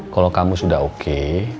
kalau kamu sudah oke